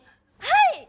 はい！